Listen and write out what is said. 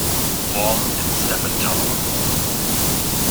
Long and Stephen Tunnell.